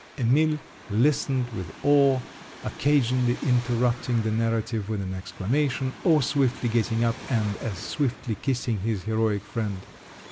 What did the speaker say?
Emil listened with awe, occasionally interrupting the narrative with an exclamation, or swiftly getting up and as swiftly kissing his heroic friend.